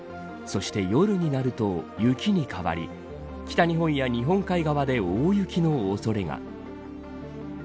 そして、夜になると雪に変わり北日本や日本海側で大雪の恐れが。